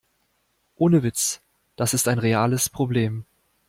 Ohne Witz, das ist ein reales Problem.